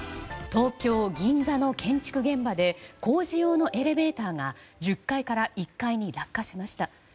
東京・銀座の建築現場で工事用のエレベーターが１０階から１階に落下しました。